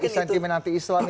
sentimen anti islam itu